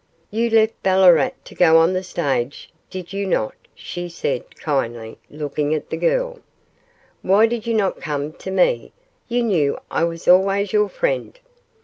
'You left Ballarat to go on the stage, did you not?' she said kindly, looking at the girl; 'why did you not come to me? you knew I was always your friend.